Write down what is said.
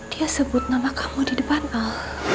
dia sebut nama kamu di depan mal